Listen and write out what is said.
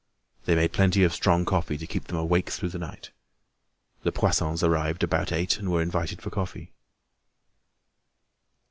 They made plenty of strong coffee to keep them awake through the night. The Poissons arrived about eight and were invited for coffee.